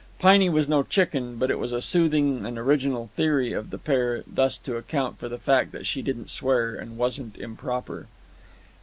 Piney was no chicken, but it was a soothing and original theory of the pair thus to account for the fact that she didn't swear and wasn't improper.